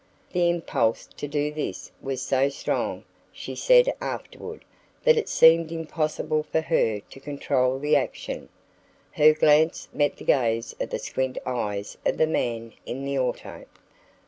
The impulse to do this was so strong, she said afterward, that it seemed impossible for her to control the action. Her glance met the gaze of the squint eyes of the man in the auto.